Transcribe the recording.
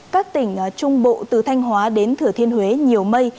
các tỉnh trung bộ từ thanh hóa đến thừa thiên huế nhiều mây